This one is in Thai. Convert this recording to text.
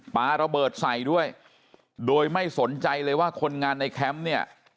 ปลาระเบิดใส่ด้วยโดยไม่สนใจเลยว่าคนงานในแคมป์เนี่ย